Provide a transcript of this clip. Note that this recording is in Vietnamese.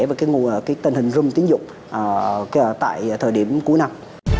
với cái tình hình rung tiếng dục tại thời điểm cuối năm